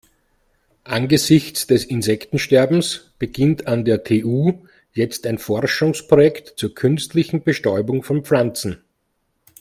Angesichts des Insektensterbens beginnt an der TU jetzt ein Forschungsprojekt zur künstlichen Bestäubung von Pflanzen.